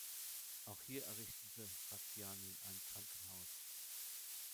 Auch hier errichtete Batthyány ein Krankenhaus.